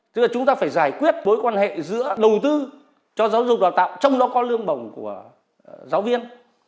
tức là chúng ta phải giải quyết mối quan hệ giữa đầu tư cho giáo dục đào tạo trong đó có lương bổng của giáo viên